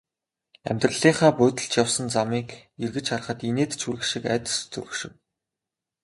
Амьдралынхаа будилж явсан замыг эргэж харахад инээд ч хүрэх шиг, айдас ч төрөх шиг.